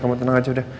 kamu tenang aja